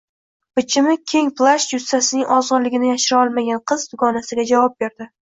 bichimi keng plash jussasining ozg`inligini yashira olmagan qiz dugonasiga javob berdi